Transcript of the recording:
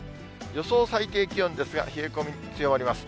予想最低気温ですが、冷え込み強まります。